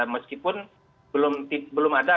meskipun belum ada